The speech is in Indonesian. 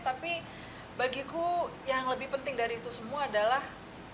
tapi bagiku yang lebih penting dari itu semua adalah